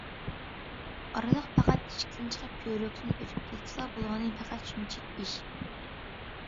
ئارىلىق پەقەت ئىشىكتىن چىقىپ كۆۋرۈكتىن ئۆتۈپ كەتسىلا بولغىنى، پەقەت شۇنچىلىك ئىش.